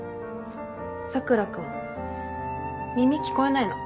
佐倉君耳聞こえないの。